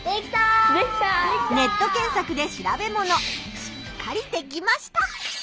ネット検索で調べものしっかりできました。